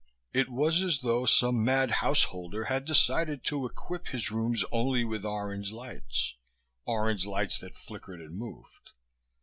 It was as though some mad householder had decided to equip his rooms only with orange lights, orange lights that flickered and moved.